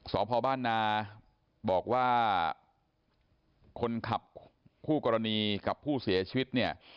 สพบ้านนาบอกว่าคนขับคู่กรณีกับผู้เสียชีวิตเนี่ย